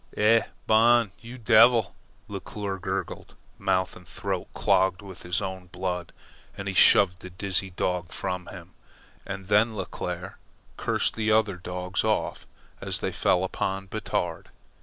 "Eh? Bon, you devil!" Leclere gurgled mouth and throat clogged with his own blood, as he shoved the dizzy dog from him. And then Leclere cursed the other dogs off as they fell upon Batard.